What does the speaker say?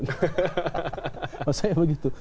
mas rehad begitu